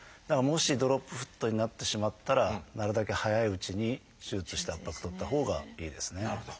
だからもしドロップフットになってしまったらなるだけ早いうちに手術して圧迫取ったほうがいいですね。